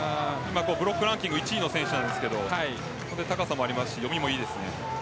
ブロックランキング１位の選手なので高さもありますし読みもいいですね。